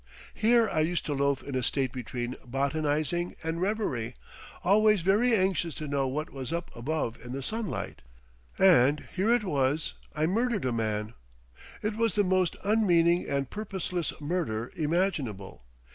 Here I used to loaf in a state between botanising and reverie—always very anxious to know what was up above in the sunlight—and here it was I murdered a man. It was the most unmeaning and purposeless murder imaginable.